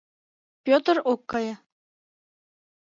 Пӧтыр ок кае.